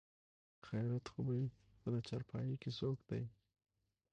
خېرت خو به وي په دا چارپايي کې څوک دي?